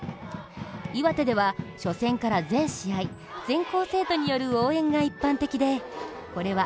岩手では初戦から全試合、全校生徒による応援が一般的でこれは